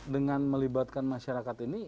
dengan melibatkan masyarakat ini